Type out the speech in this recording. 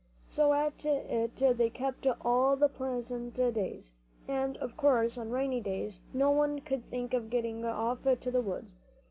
So at it they kept all the pleasant days. And, of course, on the rainy days no one could think of getting off to the woods.